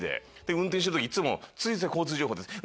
運転してる時にいつも「次交通情報です」。